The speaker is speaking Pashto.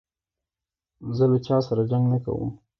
زه له چا سره جنګ نه کوم.